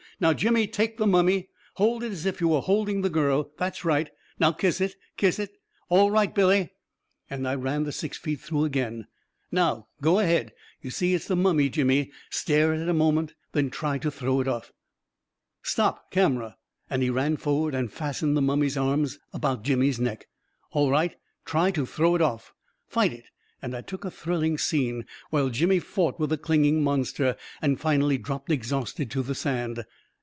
Now, Jimmy, take the mummy — hold it as you were holding the girl — that's right! Now kiss it! Kiss it! All right, Billy 1 " 336 A KING IN BABYLON and I ran the six feet through again* " Now 1 Go ahead 1 You see it's the mummy, Jimmy ! Stare at it a moment — then try to throw it off I Stop, camera !" and he ran forward and fastened the mum my's arms about Jimmy's neck. " All right 1 Try to throw it off ! Fight it I " and I took a thrilling scene while Jimmy fought with the clinging monster, and finally dropped exhausted to the sand.